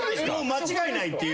間違いないっていう。